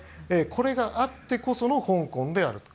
これがあってこその香港であると。